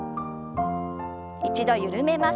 一度緩めます。